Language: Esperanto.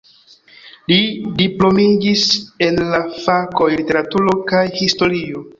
Li diplomiĝis en la fakoj literaturo kaj historio.